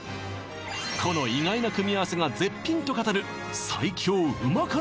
この意外な組み合わせが絶品と語る